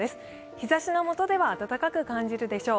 日ざしのもとでは暖かく感じるでしょう。